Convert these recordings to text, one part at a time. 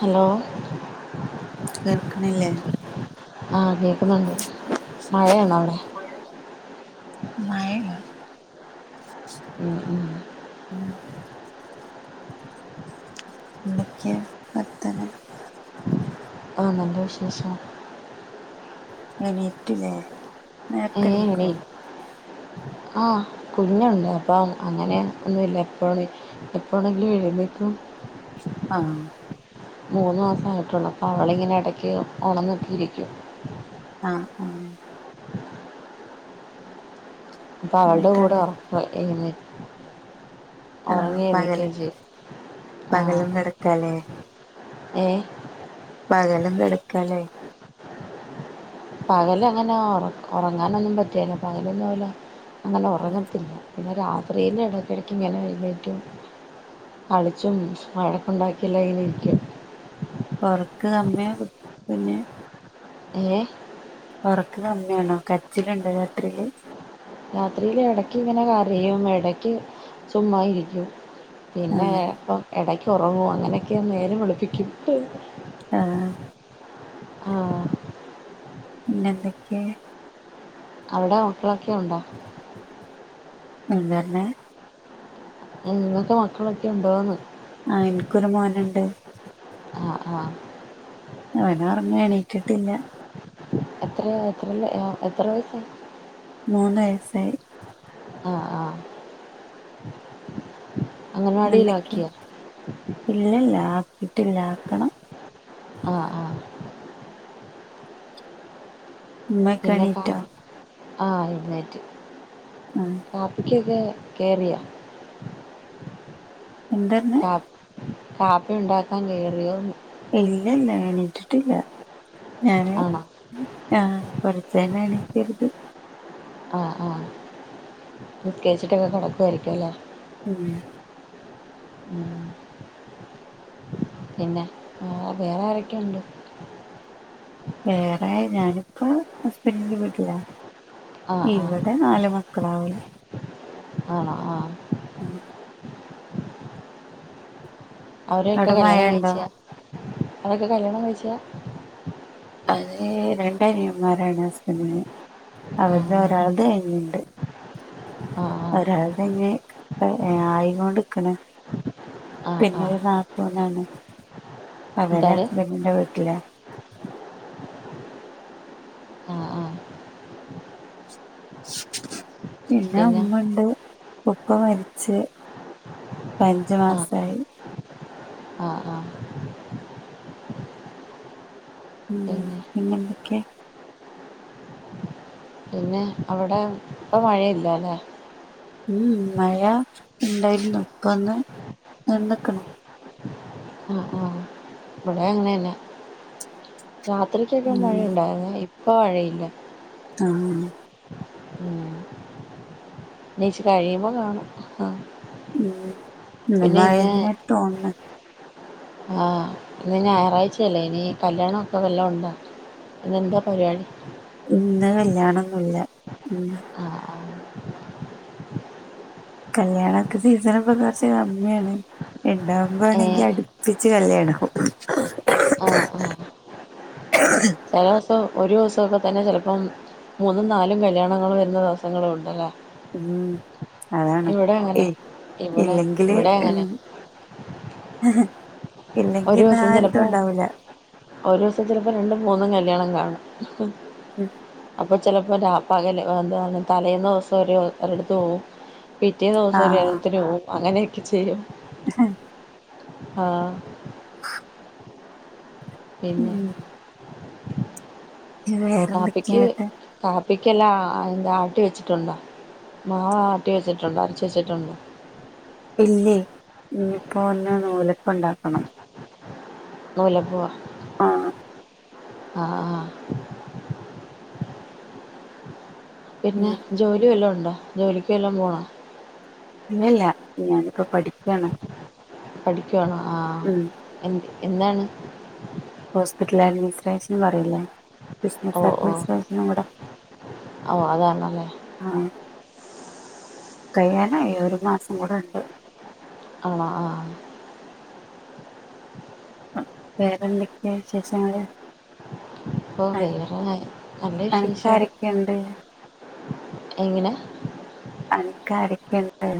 Hello? കേൾക്ക്ണില്ലേ? ആഹ് കേക്കുന്നുണ്ട് മഴയാണോ അവടൊ. മഴണ്ടോ? ഉം ഉം [inaudible] എന്തൊക്കെ വർത്താനം. ആ നല്ല വിശേ ഷം. [unintelligible] ലൊ [unintelligible] ആഹ് കുഞ്ഞുണ്ട് അപ്പ അങ്ങനെ ഒന്നുല്ല ഇപ്പഴെ എപ്പോണെങ്കിലും എഴുന്നേക്കും ആഹ് മൂന്നു മാസായിട്ടുള്ളു അപ്പൊ അവളിങ്ങനെ ഇടക്ക് ഒണന്നൊക്കെ ഇരിക്കും ആഹ് ആഹ് ഇപ്പ അവളടെ എന്നിട്ട് കൂടെ എന്തൊക്കെ ഉറക്കവാ [unintelligible] ആഹ് പകല് ആ പകലും കെടക്കാല്ലേ ഏ പകലും കെടക്കാല്ലെ പകലങ്ങനെ ഉറ ഉറങ്ങാനൊന്നും പറ്റിയേല പകലൊന്നും ഇവള് അങ്ങനെ ഉറങ്ങത്തില്ല. പിന്നെ രാത്രിയില് ഇടയ്ക്കിടയ്ക്ക് ഇങ്ങനെ എഴുന്നേറ്റു കളിച്ചും വഴക്കുണ്ടാക്കിയെല്ലാം ഇരിക്കും ഒറക്ക് [unintelligible] ഏഹ് ഒറക്ക് അമ്മയാണോ കരച്ചിലുണ്ടോ രാത്രിയില് രാത്രിയില് ഇടയ്ക്ക് ഇങ്ങനെ കരയും ഇടയ്ക്ക് ചുമ്മാ ഇരിക്കും പിന്നെ ആഹ് ഇപ്പം ഇടക്ക് ഉറങ്ങും അങ്ങനെയൊക്കെ നേരം വെളുപ്പിക്കും ആഹ് ആഹ് പിന്നെ എന്തക്കെയ അവിടെ മക്കളൊക്കെ ഉണ്ടോ [unintelligible] നിങ്ങൾക്ക് മക്കളൊക്കെ ഉണ്ടോന്ന് ആഹ് എനിക്കൊരു മോനുണ്ട് ആഹ് ആഹ് അവൻ ഉറങ്ങി എണീറ്റട്ടില്ല എത്രയ എത്തറില എത്ര വയസ്സാണ് മൂന്ന് വയസ്സായി ആഹ് ആഹ് ഇന്ന് എന്തൊക്കെയാ അംഗനവാടിയിലാക്കിയ ഇലില്ല ആക്കിട്ടില്ലാ ആക്കണം ആഹ് ആഹ് ഉമ്മയൊക്കെ പിന്നെ കാ എണീറ്റോ ആഹ് ഏഴുന്നേറ്റു ഉം കാപ്പിക്കൊക്കെ കയറിയ എന്താ പറഞ്ഞെ കാപ്പ കാപ്പി ഉണ്ടാക്കാൻ കയറിയോന്ന് ഇല്ല ഇല്ല എണീറ്റിട്ടില്ല ഞാന് ആണോ ആഹ് കൊറച്ചുകഴിഞ്ഞു എനിക്കരുത് ആഹ് ആഹ് [unintelligible] കിടക്കുവായിരിക്കല്ലേ ഉം ഉം പിന്നെ വേറെ ആരൊക്കെയുണ്ട് വേറെ ഞാനിപ്പോ ഹസ്ബൻഡിൻ്റെ വീട്ടില ആ ആ ഇവിടെ നാലുമ [unintelligible] ആണോ ആഹ് ഉം അവരൊക്കെ അവിടെ മഴ കല്യാണം ഉണ്ടോ കഴിച്ചാ അതൊക്കെ കല്യാണം കഴിച്ചയാ? അത് രണ്ടനിയന്മാരാണ് ഹസ്ബന്റ്ന് ആ അവരുടെ ഒരാൾത് കഴിഞ്ഞ്ണ്ട് ആ ഒരാൾത് ഇഞ്ഞ് ആയികൊണ്ട്ക്ക്ണ് ആ ആ ആ പിന്നൊരു നാത്തൂനാണ് അവര് എന്താണ് ഹസ്ബന്റിൻ്റെ വീട്ടില ആ ആ പിന്നെ അമ്മണ്ട് ഉപ്പ മരിച്ച് പ്പഞ്ച് മാസായി ആഹ് ആഹ് ഉം പിന്നെന്തൊക്കെ? പിന്നെ അവടെ ഇപ്പം മഴയില്ല ല്ലേ? ഉം ഉം മഴ ഉണ്ടായിരുന്നു ഇപ്പൊന്ന് വന്ന്ക്ക്ണ് ആഹ് ആഹ് ഇവിടെ അങ്ങനെന്നെ രാത്രിയ്ക്കെ ആയിട്ട് ഉം മഴയുണ്ടായിരുന്നു ഇപ്പൊ മഴയില്ല ആഹ് ഉം നീച്ച് കഴിയുമ്പോ കാണും. ആഹ് ഉം ഇന്ന് മഴന്നെ തോൺണെ ആഹ് ഇന്ന് ഞായറാഴ്ചയല്ലേ ഇനി കല്യാണ ഒക്കെ വല്ല ഉണ്ടോ? ഇന്നെന്താ പരിപാടി? ഇന്ന് കല്യാണൊന്നുല്ല. ഉം ആ ആ കല്യാണ ഒക്കെ സീസണിപ്പൊ കൊറച്ച് കമ്മിയാണ് ഉണ്ടാവുമ്പോ ഏ ആണെങ്കി അടു പ്പിച്ച് കല്യാണ ആകും ആഹ് ആഹ് ചെല ദിവസം ഒരു ദിവസക്കെ തന്നെ ചെലപ്പം മൂന്നും നാലും കല്യാണങ്ങൾ വരുന്ന ദിവസങ്ങളും ഉണ്ട് അല്ലേ ഉം അതാണ് ഇവിടെ അങ്ങനെ ഏയ് ഇവിടെ ഇല്ലെങ്കില് ഇവിടെ അങ്ങനെ [inaudible] ഒരു ഇല്ലെങ്കിന്ന് ആ ദിവസം ഒരിതും ചെലപ്പോ ഉണ്ടാവൂല ഒരു ദിവസം ചിലപ്പോ രണ്ടും മൂന്നും കല്യാണം കാണും അപ്പം ഉം അപ്പൊ ചെല അപ്പൊ രാ പകല് എന്ത പറ തലേയന്നവസം ഒരു ഒരുടത്ത് പോകും പിറ്റേ ദിവസം ഒരു ആഹ് എൽണത്തിന് പോവും അങ്ങനെയൊക്കെ ചെയ്യും [unintelligible] ആഹ് പിന്നെ ഉം വാപ്പയ്ക്ക് വേറെന്തൊക്കെയാട്ട് കാപ്പിക്കെല്ലാം അതിന്ത ആട്ടി വെച്ചിട്ടുണ്ടോ, മാവാട്ടി വെച്ചിട്ടുണ്ടോ, അരച്ച് വെച്ചിട്ടുണ്ടോ? ഇല്ലേ ഇന്ന്പ്പോ ഇന്ന് നൂലപ്പം ഉണ്ടാക്കണം നൂലപ്പോ ആഹ് ആഹ് ആഹ് പിന്നെ ഉം ജോലി വല്ലാം ഉണ്ടോ ജോലിക്ക് വല്ലാം പോണ? ഇല്ലല്ല ഞാനിപ്പോ പഠിക്കാണ് പഠിക്കുവാണോ ആഹ് ഉം എന്ത്‌ എന്താണ്? ഹോസ്പിറ്റൽ അഡ്മിസ്രേഷൻ ന്ന് പറയില്ലേ ബിസിനസ് അഡ്മിസ്രെഷനും കൂടെ ഓഹ് അതാണോ അതെ അഹ് ആഹ് കഴിയാനായി ഒരു മാസം കൂടെ ഉണ്ട് ആണോ ആഹ്. വേറെന്തൊക്കെ വിശേഷങ്ങള് ഇപ്പൊ വേറെ നല്ല വിശേഷം എന്ത് എങ്ങനെ അനക്ക് ആരെക്കെണ്ട്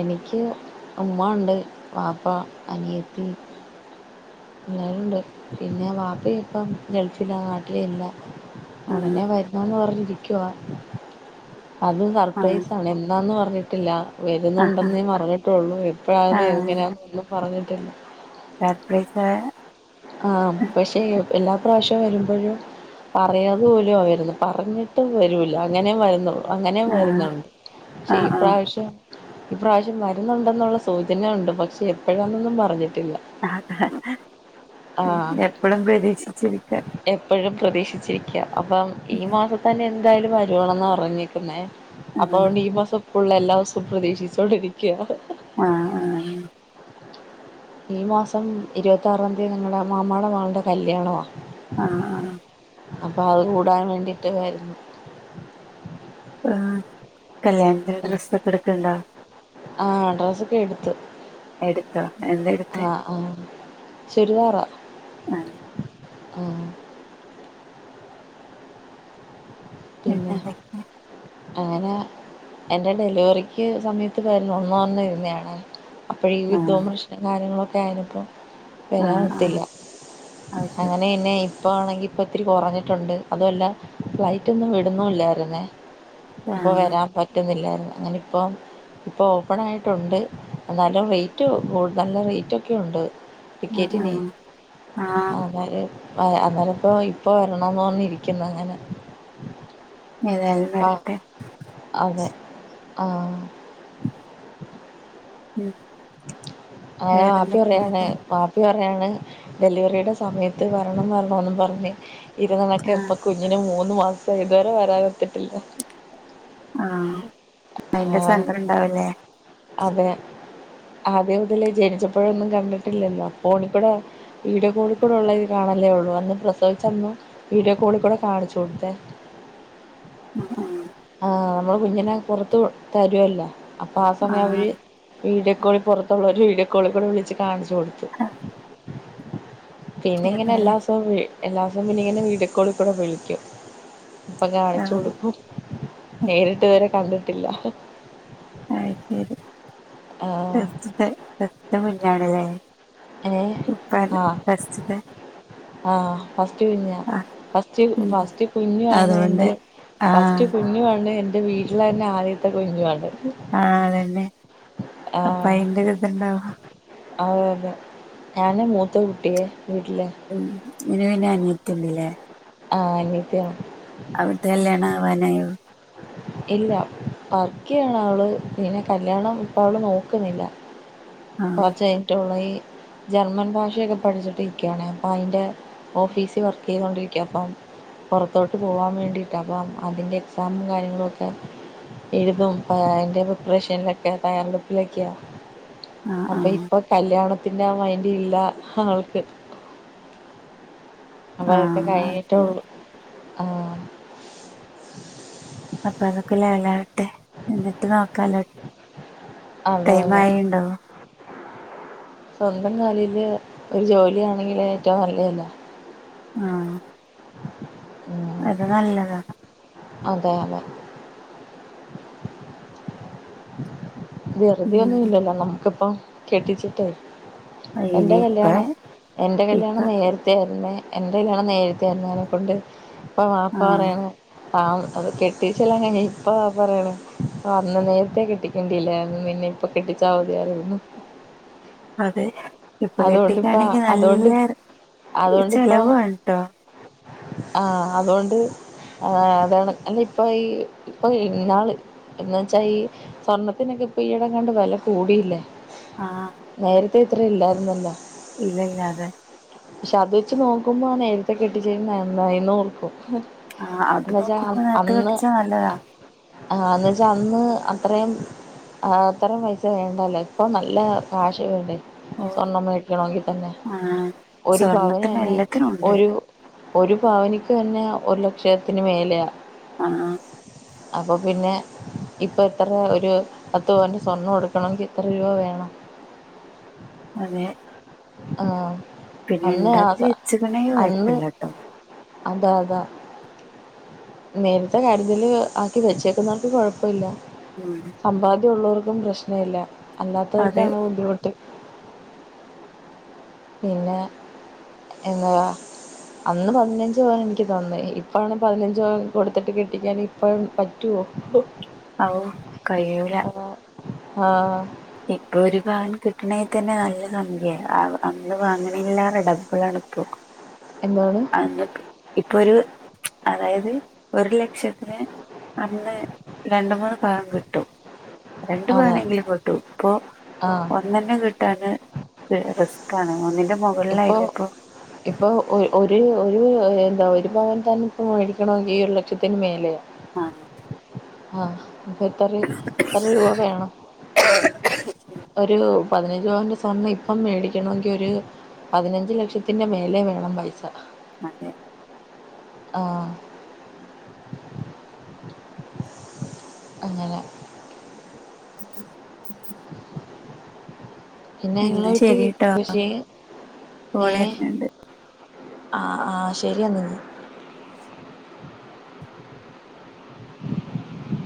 എനിക്ക് ഉമ്മ ഉണ്ട് വാപ്പ അനിയത്തി എല്ലാവരുണ്ട് പിന്നെ വാപ്പ ഇപ്പം ഗൾഫിലാ നാട്ടിലില്ല ആ ഉടനെ വരുന്നെന്ന്പറഞ്ഞിരിക്കുവാ അത് ആ സർപ്രൈസാണ് എന്നാന്ന് പറഞ്ഞിട്ടില്ല ആ വരുന്നുണ്ടെന്നേ പറഞ്ഞിട്ടൊള്ളൂ ആ എപ്പോഴാെന്ന് എങ്ങനെയാണെന്നൊന്നും പറഞ്ഞിട്ടില്ല സർപ്രയ്‌സ് ആണ് ആഹ് പക്ഷെ എല്ലാ പ്രാവശ്യവും വരുമ്പോഴും പറയാതേ പോലുവാ വരുന്ന് പറഞ്ഞിട്ട് പോലുവില്ല അങ്ങനെയാ വരുന്നൊള്ളു അങ്ങനേം ആ വരുന്നുണ്ട് ആ പക്ഷെ ഈ ആ പ്രാവശ്യം ഇപ്രവശ്യം വരുന്നുണ്ടെന്നുള്ള സൂചന ഉണ്ട് പക്ഷെ എപ്പോഴാന്നൊന്നും പറഞ്ഞിട്ടില്ല അതാണ് എപ്പഴും പ്രതീക്ഷിച്ചിരിക്ക എപ്പഴും പ്രതീക്ഷിച്ചിരിക്കുക അപ്പം ഈ മാസം തന്നെ എന്തായാലും വരുവണെന്ന പറഞ്ഞിക്കുന്നേ ആ ആ അപ്പൊ അഓണ്ട് ഈ മാസംപ്പള്ള എല്ലാ ദിവസവും പ്രതീക്ഷിച്ചോണ്ടിരിക്ക്യാ ആഹ് ആഹ് ഈ മാസം ഇരുപത്തറാം തീയതി ഞങ്ങടെ മാമാടെ മോൾടെ കല്യാണവാ ആഹ് ആഹ് അപ്പൊ അത് കൂടാൻ വേണ്ടിട്ട് വരുന്നു ആഹ് കല്യാണത്തിന് ഡ്രസ്സ് ഒക്കെ ഇട്ക്ക്‌ണ്ടോ ആഹ് ഡ്രസ്സ് ഒക്കെ എടുത്തു എടുത്തോ എന്താ എട് ആഹ് ആഹ് ചുരിദാറാ ആ ആഹ് പിന്നെ പിന്നെന്തൊക്കെയാ അങ്ങനെ എന്റെ ഡെലിവറിക്ക് സമയത്ത് വരണംന്ന് പറഞ്ഞ് ഇര്ന്നേണ് അപ്പ ഈ ആ യുദ്ധവും പ്രശ്നവും കാര്യങ്ങളൊക്കെ ആയ്നപ്പം ആ വരാൻ ആ ഒത്തില്ല അത് ശരി അങ്ങനെ പിന്നേയ് ഇപ്പൊ ആണെങ്കിൽ ഇപ്പ ഇത്തിരി കൊറഞ്ഞിട്ടുണ്ട് അതുമല്ല ഫ്ലൈറ്റ്ഒന്നും വിടുന്നുവില്ല പറയന്നേ ആ അപ്പൊ വരാൻ പറ്റുന്നില്ല അങ്ങനെ ഇപ്പം ഇപ്പോ ഓപ്പണായിട്ടുണ്ട് എന്നാലും റേറ്റ് കൂടുതൽ നല്ല റേറ്റൊക്കെ ഉണ്ട് ആഹ് ടിക്കറ്റിനെ ആഹ് അവര് വര് അന്നേരം ഇപ്പോ ഇപ്പൊ വരണംന്ന് പറഞ്ഞ് ഇരിക്കുന്നു അങ്ങൻനെ ഏതായാലും ആഹ് വരട്ടെ അതെ ആഹ് ഉം അങ്ങനെ വാപ്പി പറയാണ് വേറെന്തൊക്കെയാത് വാ പ്പി പറയാണ് ഡെലിവറിയുടെ സമയത്ത് വരണം വരണവെന്നും പറഞ്ഞ് ഇരുന്നതൊക്കെ ആഹ് ഇപ്പക്ക്‌ കുഞ്ഞിന് മൂന്ന് മാസം ആയി ഇതുവരെ വരാനൊത്തിട്ടില്ല ആഹ് അയിന്റെ ആഹ് സങ്കടം ണ്ടാവും ല്ലേ അതെ ആദ്യം മുതലേ ജനിച്ചപ്പോഴൊന്നും കണ്ടിട്ടില്ലല്ലോ ഫോണിൽ കൂടെ വീഡിയോ കോളിൽ കൂടെ ഉള്ള ഇത് കാണല്ലേ ഉള്ളൂ അന്ന് പ്രസവിച്ചന്ന് വീഡിയോ കോളിൽ കൂടെ കാണിച്ചു കൊടുത്തേ ആഹ് ആഹ് ആഹ നമ്മള് കുഞ്ഞിനെ പുറത്ത് തരുവല്ലോ അപ്പൊ ആ സമയം അവര് ആഹ് വീഡിയോ കോളി പുറത്തുള്ളവർ വീഡിയോ കോളിൽ കൂടെ വിളിച്ച് കാണിച്ച് കൊടുത്തു പിന്നെ ഇങ്ങനെ എല്ലാ ഏതായാലും ദിവസവും എല്ലാ ദിവസവും പിന്നെ ഇങ്ങനെ വീഡിയൊ കോളിൽ കൂടെ വിളിക്കും അപ്പൊ കാണിച്ചു ആഹ് കൊടുക്കും ഉം നേരിട്ട് ഇത് വരെ കണ്ടിട്ടില്ല അത് ശരി ആഹ് [unintelligible] ഏഹ് ഉപ്പാന്റെ ആഹ് ഫസ്റ്റ്ത്തെ ആഹ് ഫസ്റ്റ് കുഞ്ഞാ ആഹ് ഫസ്റ്റ് ഉം ഫസ്റ്റ് കുഞ്ഞു ആണ് അതുകൊണ്ട് എൻ്റെ ആഹ് ഫസ്റ്റ് കു ഞ്ഞു ആണ് എന്റെ വീട്ടിലെ തന്നെ ആദ്യത്തെ കുഞ്ഞുവാണ് ആഹ് അതന്നെ അപ്പൊ അയിന്റെ ഒരു ഇത് ഉണ്ടാവും അത് തന്നെ ഞാനാ മൂത്ത കുട്ടിയെ വീട്ടില് ഉം ഇതിന് പിന്നെ അനിയത്തി ഉണ്ടല്ലേ ആഹ് അനിയത്തി ആണ് അവിടുത്തെ കല്യാണം ആവാനായോ ഇല്ല വർക്ക് ചെയ്യാണ് അവള് പിന്നെ കല്യാണം ഇപ്പോ അവള് നോക്കുന്നില്ല ആഹ് കുറച്ച് കഴിഞ്ഞിട്ട് ഓള് ജർമ്മൻ ഭാഷയൊക്കെ പഠിച്ചിട്ടിരിക്കുകയാണേ അപ്പൊ അതിന്റെ ഓഫീസിൽ വർക്ക് ചെയ്തോണ്ടിരിക്ക അപ്പം പുറത്തോട്ട് പോവാൻ വേണ്ടിയിട്ടാ അപ്പം അതിന്റെ എക്സാമും കാര്യങ്ങളുമൊക്കെ എഴുതും അതിന്റെ പ്രിപ്പറേഷനിലൊക്കെ തയ്യാറെടുപ്പിലൊക്കെയാ ആഹ് അപ്പൊ ആഹ് ഇപ്പൊ കല്യാണത്തിന്റെ ആ മൈൻഡ് ഇല്ല അവൾക്ക് അപ്പോ അതൊക്കെ ആഹ് അത് കഴിഞ്ഞിട്ടേ ശരി ഉള്ളൂ ആഹ് അപ്പൊ അതൊക്കെ ലവലാവട്ടെ എന്നിട്ട് നോക്കാലോ അതെ ടൈം അതെ ആയിട്ടുണ്ടോ സ്വന്തം കാലില് ഒരു ജോലിയാണെങ്കിൽ ഏറ്റവും നല്ലതല്ലേ ആഹ് ഉം അത് നല്ലതാ അതെ അതെ വെറുതെ ഉം. ഒന്നുമില്ലല്ലോ നമ്മക്കിപ്പം കെട്ടിച്ചിട്ടേ എന്റെ ഇനിയിപ്പ കല്യാണം എന്റെ ഇപ്പൊ കല്യാണം നേര പിന്നെ എന്റെ കല്യാണം നേരത്തെ ആരുന്നേനെ കൊണ്ട് ഇപ്പോ ബാപ്പ ആ പറയണേ ആഹ് അത് കെട്ടിച്ചെല്ലാം കഴിഞ്ഞ് ഇപ്പോ ബാപ്പ പറയണേ ആ അന്ന് നീ ട്ടെ കെട്ടിക്കേണ്ടില്ലായിരുന്നു നിന്നെ ഇപ്പൊ കെട്ടിച്ചാ മതിയായിരുന്നു അതെ ഇപ്പൊ അതുകൊണ്ടിപ്പ കെട്ടിക്കാണെങ്കി അതുകൊണ്ട് നല്ല ചെലവും ആണൂട്ടോ ആഹ് അത് കൊണ്ട് ആഹ് അതാണ് അല്ല ഇപ്പ ഈ ഇപ്പൊ ഈ ഇന്നാള് എന്ന് വെച്ചാ ഈ സ്വർണ്ണത്തിനൊക്കെ ഇപ്പൊ ഈയിടെ എങ്ങാണ്ട് വെല കൂടിയില്ലേ ആഹ് നേരത്തെ ഇത്രെ ഇല്ലാരുന്നല്ലോ ഇല്ലില്ല അതെ പക്ഷേ അത് വച്ച് നോക്കുമ്പോ നേരത്തെ കെട്ടിച്ചത് നന്നായി എന്നോർക്കും ആ അത് എന്ന് വെച്ചാ നോക്കുമ്പോ നേരത്തെ അന്ന് കെട്ടിച്ചാ നല്ലതാ ആഹ് എന്ന് വച്ചാ അന്ന് അത്രയും ആഹ് അത്രേം പയ്സ വേണ്ടലെ ഇപ്പൊ നല്ല കാശ് വേണ്ടെ ഓ സ്വർണം മേടിക്കണോങ്കി തന്നെ ആ ഒരു സ്വർണത്തിനും പവെനേന്നെ എല്ലാത്തിനും ഉണ്ട് ഒരു ഒര് പവന്ക്കെന്നെ ഒരു ലക്ഷത്തിന് മേലെയാ ആഹ് അപ്പൊ പിന്നെ ഇപ്പൊ എത്രെ ഒരു പത്ത് പവന്റെ സ്വർണോട്ക്കണങ്കി ഇത്ര രൂപ വേണം അതെ. ആഹ് പിന്നെ ണ്ടാക്കി വെച്ക്കണെങ്കി കൊയ്പ്പല്ലട്ടോ അതാ താ നേരത്തെ കാര്തല് ആക്കി വെച്ചേക്കുന്നോർക്ക് കൊഴപ്പൊല്ല എവെടെ സമ്പാദ്യോള്ളൊർക്കും പ്രശ്നല്ല അത് അല്ലാതൊർക്കാണ് ബുദ്ധിമുട്ട് പിന്നെ എന്നാ അന്ന് പതിനഞ്ച് പവന് ഇൻക്ക് തന്ന് ഇപ്പഴാണ് പതിനഞ്ചവൻ കൊട്ത്തിട്ട് കെട്ടിക്കാന് പ്പഴും പറ്റൊ മോ ഔ കയ്യൂല അ ആഹ് ഇപ്പൊ ഒരു സാനം കിട്ടണെ തന്നെ നല്ല സംഖ്യ ആവും അന്ന് വാങ്ണെലെറെ ടബളാണ്പ്പോ എന്നാണ്? അന്നൊക്ക് ഇപ്പൊര് അതായത് ഒരു ലക്ഷത്തിന് അന്ന് രണ്ട് മൂന്ന് പവൻ കിട്ടും രണ്ട് അതെ പവനെങ്കിലും കിട്ടു പ്പൊ ആഹ് ഒന്നന്നെ കിട് കത് ഒര്റിസ്കാണ് ഒന്നിന്റെ ഇപ്പൊ ഇപ്പോ ഒ ഒര് ഒരു ന്താ ഒരു പവൻ തന്നെ ഇപ്പം മേടിക്കണേങ്കി ഈ ഒരു ലക്ഷത്തിന് മേലെയാ അഹ് ആഹ് പ്പൊ ഇത്രേ ഇത്രേ രൂവ വേണം? ഒരു പതിനഞ്ച് പവന്റെ സ്വർണ്ണം ഇപ്പം മേടിക്കണോങ്കി ഒര് പതിനഞ്ച് ലക്ഷത്തിന്റെ മേലെ വേണം പൈസ അതെ ആഹ് അങ്ങനെ [inaudible] [inaudible] പിന്നെ ഞങ്ങളെ എന്നാ വീട്ടില് ശരി കേട്ടോ കൃഷി കോൾ ഏഹ് വരുന്നുണ്ട് അ ആഹ് ശര്യന്നെങ്കി [inaudible]